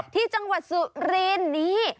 ที่จังหวัดสุรินนี้